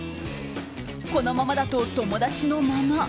このままだと友達のまま。